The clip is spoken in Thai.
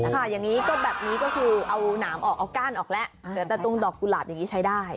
ค่ะอย่างนี้ก็แบบนี้ก็คือเอาหนามออกเอาก้านออกแล้วเหลือแต่ตรงดอกกุหลาบอย่างนี้ใช้ได้